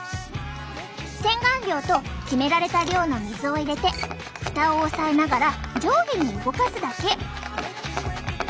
洗顔料と決められた量の水を入れて蓋を押さえながら上下に動かすだけ。